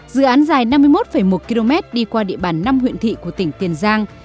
dự án dài năm mươi một một km đi qua địa bàn năm huyện thị của tỉnh tiền giang